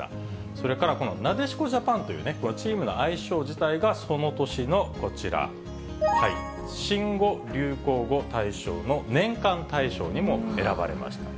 それからこのなでしこジャパンという、このチームの愛称自体が、その年のこちら、新語・流行語大賞の年間大賞にも選ばれました。